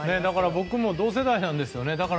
僕も同世代なんですよね。